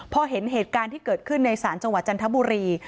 พอเห็นเหตุการณ์ที่เกิดขึ้นในศาลจังหวัดจันทบุรี